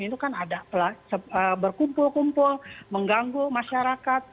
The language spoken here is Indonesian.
ada pelanggaran yang berkumpul kumpul mengganggu masyarakat